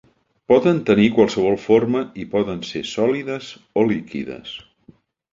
Poden tenir qualsevol forma i poden ser sòlides o líquides.